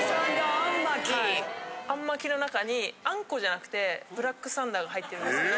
あん巻きの中にあんこじゃなくてブラックサンダーが入ってるんですけど。